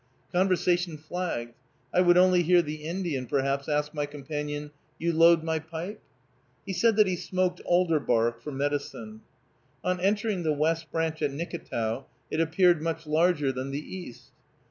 Conversation flagged. I would only hear the Indian, perhaps, ask my companion, "You load my pipe?" He said that he smoked alder bark, for medicine. On entering the West Branch at Nicketow it appeared much larger than the East.